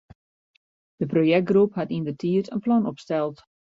De projektgroep hat yndertiid in plan opsteld.